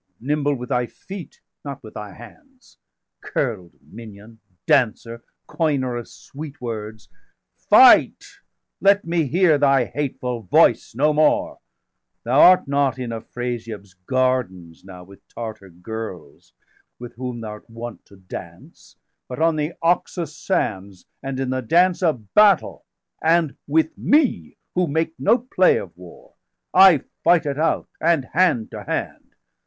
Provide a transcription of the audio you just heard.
nimble with thy feet, not with thy hands! Curl'd minion, dancer, coiner of sweet words! Fight, let me hear thy hateful voice no more! Thou art not in Afrasiab's gardens now 460 With Tartar girls, with whom thou art wont to dance; But on the Oxus sands, and in the dance Of battle, and with me, who make no play Of war; I fight it out, and hand to hand.